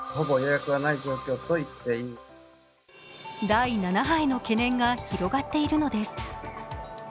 第７波への懸念が広がっているのです。